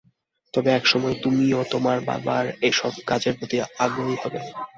তবে একসময় তুমিও তোমার বাবার এসব কাজের প্রতি আগ্রহী হবে।